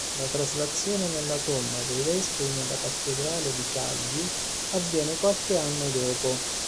La traslazione nella tomba dei vescovi nella cattedrale di Cagli avviene qualche anno dopo.